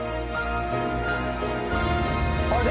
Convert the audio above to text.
あれ？